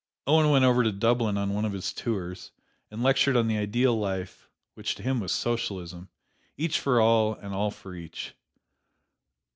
Owen went over to Dublin on one of his tours, and lectured on the ideal life, which to him was Socialism, "each for all and all for each."